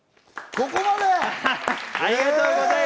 ここまで！